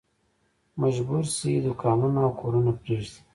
مجبور شي دوکانونه او کورونه پرېږدي.